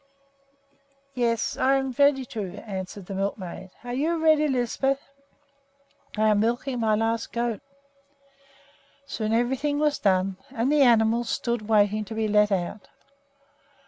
"Yes; I am just ready to," answered the milkmaid. "Are you ready, Lisbeth?" "I am milking my last goat." Soon everything was done, and the animals stood waiting to be let out.